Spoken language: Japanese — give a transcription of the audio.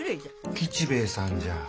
吉兵衛さんじゃ。